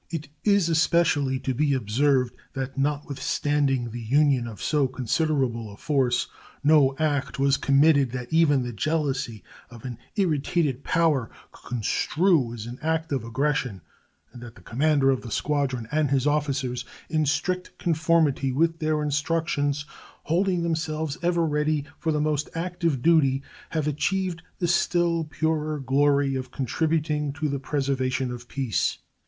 It is especially to be observed that notwithstanding the union of so considerable a force, no act was committed that even the jealousy of an irritated power could construe as an act of aggression, and that the commander of the squadron and his officers, in strict conformity with their instructions, holding themselves ever ready for the most active duty, have achieved the still purer glory of contributing to the preservation of peace.